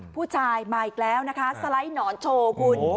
ผู้ชายมาอีกแล้วนะคะสไลด์หนอนโชว์คุณ